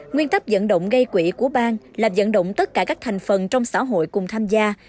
nguyên tắc dẫn động gây quỹ của bang là dẫn động tất cả các thành phần trong xã hội cùng tham gia